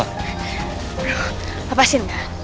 aduh apa sih nggak